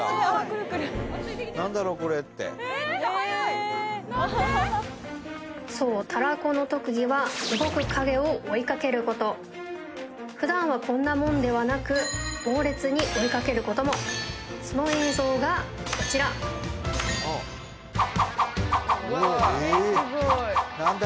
クルクル何だろうこれってえっそうタラコの特技は動く影を追いかけること普段はこんなもんではなく猛烈に追いかけることもその映像がこちらえっえっ